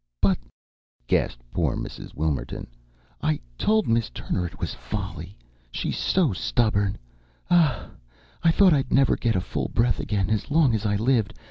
"But," gasped poor Mrs. Wilmerton, "I told Miss Turner it was folly! She's so stubborn! Ah h! I thought I'd never get a full breath again as long as I lived.